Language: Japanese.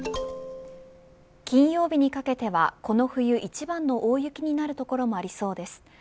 金曜日にかけては、この冬一番の大雪になる所もありそうです。